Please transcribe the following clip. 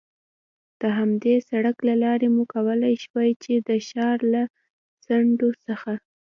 د همدې سړک له لارې مو کولای شوای، چې د ښار له څنډو څخه.